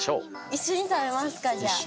一緒に食べますかじゃあ。